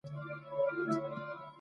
چي د هغوی د ماتي یا بریا سبب ګرځېدلې